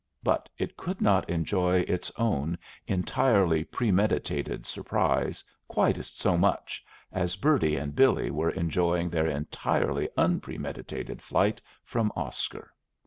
But it could not enjoy its own entirely premeditated surprise quite so much as Bertie and Billy were enjoying their entirely unpremeditated flight from Oscar.